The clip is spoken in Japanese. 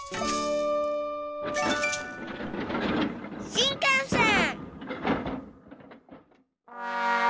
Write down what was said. しんかんせん。